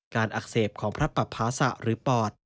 อักเสบของพระปภาษะหรือปอด